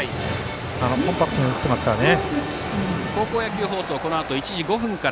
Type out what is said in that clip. コンパクトに打っていますね。